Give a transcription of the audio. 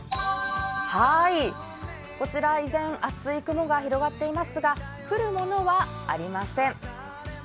こちらは依然厚い雲が広がっていますが降るものはありません。